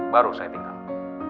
baru saya tinggal